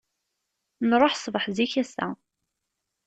Nṛuḥ ssbeḥ zik ass-a.